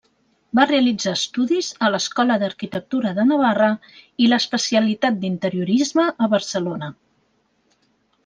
Va realitzar estudis a l'escola d'Arquitectura de Navarra i l'especialitat d'interiorisme a Barcelona.